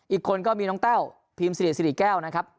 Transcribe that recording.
อีกคนก็มีน้องแต้วพิมสิริสิริแก้วนะครับ